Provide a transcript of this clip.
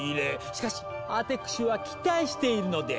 しかしアテクシは期待しているのです！